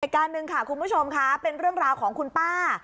การหนึ่งค่ะคุณผู้ชมค่ะเป็นเรื่องราวของคุณป้า